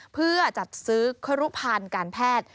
เพื่อจัดซื้อครุพันธ์การแพทย์